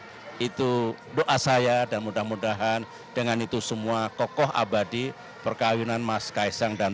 terima kasih itu doa saya dan mudah mudahan dengan itu semua kokoh abadi perkawinan mas kaisang dan